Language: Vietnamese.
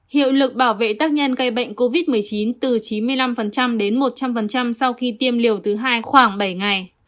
hiệu lực bảo vệ tác nhân gây bệnh covid một mươi chín từ chín mươi năm đến một trăm linh sau khi tiêm liều thứ hai khoảng bảy ngày